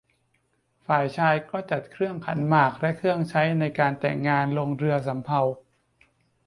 ฝ่ายชายก็จัดเครื่องขันหมากและเครื่องใช้ในการแต่งงานลงเรือสำเภา